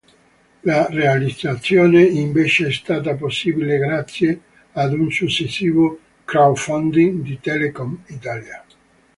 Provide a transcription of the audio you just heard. La realizzazione invece è stata possibile grazie ad un successivo crowdfunding di Telecom Italia.